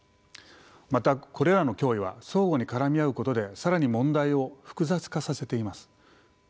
またこれらの脅威は相互に絡み合うことで更に問題を複雑化させています。